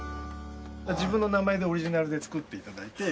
自分の名前でオリジナルで作って頂いて。